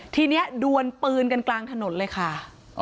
ทีนี้ดวนปืนกันกลางถนนเลยค่ะ